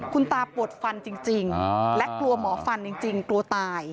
คุณตาปวดฟันจริงและกลัวหมอฟันจริงกลัวตาย